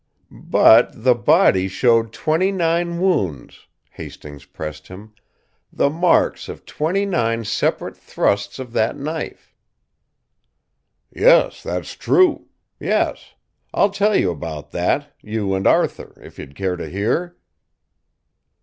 "But the body showed twenty nine wounds," Hastings pressed him, "the marks of twenty nine separate thrusts of that knife." "Yes; that's true. Yes, I'll tell you about that, you and Arthur if you'd care to hear?"